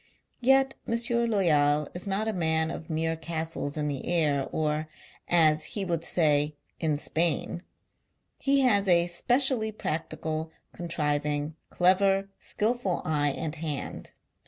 Yet M. Loyal is not a man of mere castles in the air, or, us he would say, in Spain. He has a I specially practical, contriving, clever, skilful i eye and hand.